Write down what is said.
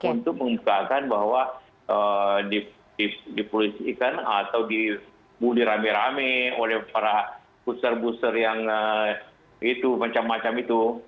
untuk mengingatkan bahwa dipolisikan atau diramik ramik oleh para pusar pusar yang itu macam macam itu